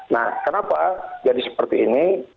nah kenapa jadi seperti ini